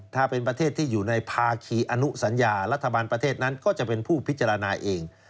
ถ้าเป็นประเทศที่อยู่ในภาคีอนุสัญญารัฐบาลประเทศนั้นก็จะเป็นผู้พิจารณาเอง